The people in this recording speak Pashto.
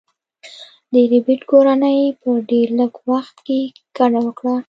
د ربیټ کورنۍ په ډیر لږ وخت کې کډه وکړه